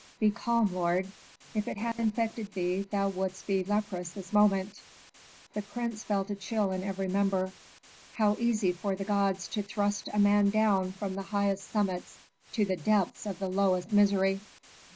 "Be calm, lord; if it had infected thee thou wouldst be leprous this moment." The prince felt a chill in every member. How easy for the gods to thrust a man down from the highest summits to the depths of the lowest misery!